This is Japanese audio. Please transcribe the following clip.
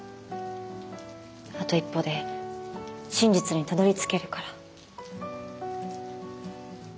あと一歩で真実にたどりつけるから。